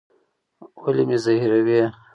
ولي مي زهيروې؟